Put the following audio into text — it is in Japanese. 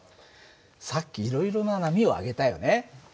さっきいろいろな波を挙げたよね。